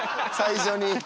最初に。